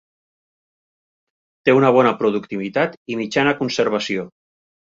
Té una bona productivitat i mitjana conservació.